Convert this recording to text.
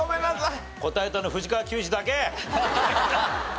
答えたの藤川球児だけ。